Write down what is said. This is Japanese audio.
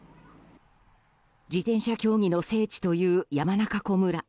自転車競技の聖地という山中湖村。